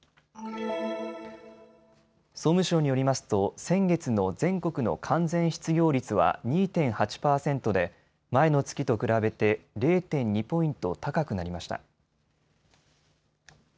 総務省によりますと先月の全国の完全失業率は２．８％で前の月と比べて０．２ポイント高くなりました。